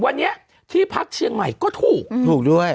วันนี้ที่พักเชียงใหม่ก็ถูกถูกด้วย